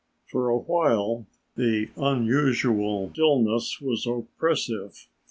For a while the unusual stillness was oppressive.